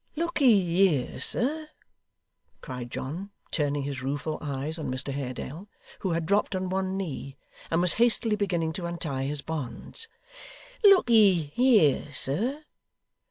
'Look'ee here, sir!' cried John, turning his rueful eyes on Mr Haredale, who had dropped on one knee, and was hastily beginning to untie his bonds. 'Look'ee here, sir!